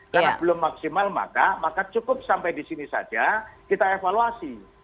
karena belum maksimal maka cukup sampai di sini saja kita evaluasi